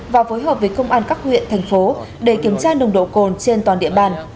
và phối hợp với công an các huyện thành phố để kiểm tra nồng độ cồn trên toàn địa bàn